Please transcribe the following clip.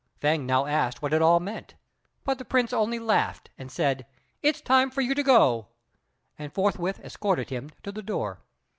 Fêng now asked what it all meant, but the Prince only laughed, and said, "It's time for you to go," and forthwith escorted him to the door.